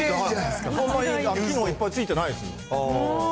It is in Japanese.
そんなに機能いっぱいついてないですもん。